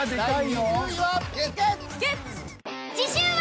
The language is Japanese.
次週は。